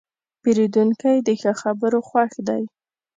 پیرودونکی د ښه خبرو خوښ دی.